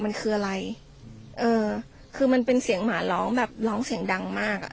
มันคืออะไรเอ่อคือมันเป็นเสียงหมาร้องแบบร้องเสียงดังมากอ่ะ